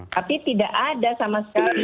tapi tidak ada sama sekali